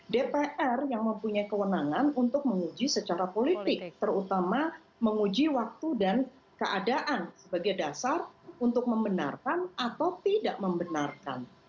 dpr yang mempunyai kewenangan untuk menguji secara politik terutama menguji waktu dan keadaan sebagai dasar untuk membenarkan atau tidak membenarkan